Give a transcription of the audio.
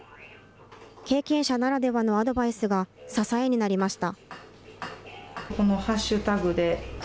経験者ならではのアドバイスが支えになりました。